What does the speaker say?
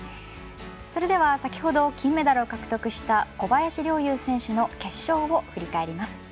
それでは、先ほど金メダルを獲得した小林陵侑選手の決勝を振り返ります。